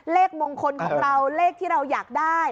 เลขมงคลของเราเลขที่เราอยากได้